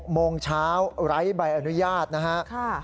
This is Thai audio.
โมงเช้าไร้ใบอนุญาตนะฮะ